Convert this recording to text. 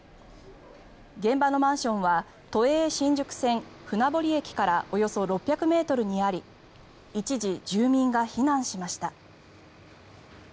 現場のマンションは都営新宿線船堀駅からおよそ６００ｍにあり一時、住民が避難しました。